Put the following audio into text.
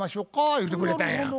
言うてくれたんや。